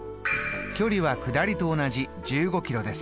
距離は下りと同じ１５キロです。